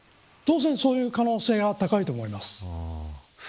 当然そういう可能性は高いと思います。